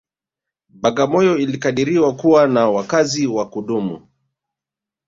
Bagamoyo ilikadiriwa kuwa na wakazi wa kudumu